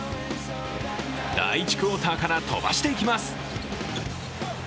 第１クオーターから飛ばしていきます。